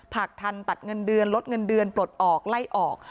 หากทันตัดเงินเดือนลดเงินเดือนปลดออกไล่ออก